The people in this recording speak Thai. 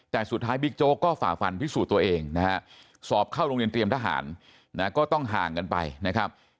แต่สุดท้ายบิ๊กโจ๊กก็ฝ่าฟันพิสูจน์ตัวเองนะฮะสอบเข้าโรงเรียนเตรียมทหารนะก็ต้องห่างกันไปนะครับ